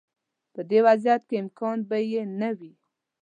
په دې وضعیت کې امکان به یې نه وي.